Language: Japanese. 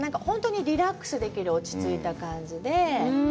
リラックスできる落ちついた感じで。